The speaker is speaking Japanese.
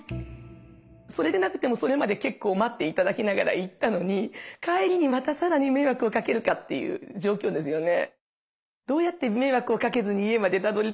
それでなくてもそれまで結構待っていただきながら行ったのに帰りにまたさらに迷惑をかけるかっていう状況ですよね。